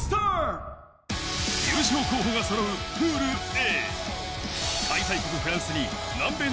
優勝候補がそろうプールＡ。